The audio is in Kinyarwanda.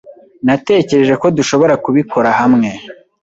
Natekereje ko dushobora kubikora hamwe.